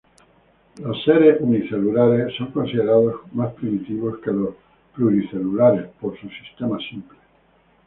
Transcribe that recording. Los seres unicelulares son considerados más primitivos que los pluricelulares, por su sistema simple.